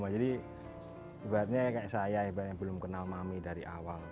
jadi ibadahnya kayak saya ibadahnya belum kenal mami dari awal